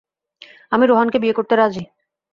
আমি রোহানকে বিয়ে করতে রাজী।